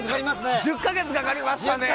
１０か月かかりました。